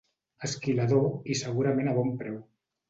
Esquilador, i segurament a bon preu.